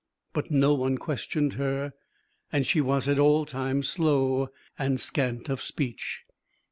But no one questioned her, and she was at all times slow and scant of speech.